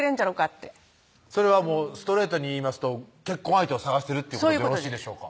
ってそれはもうストレートに言いますと結婚相手を探してるってことでよろしいでしょうか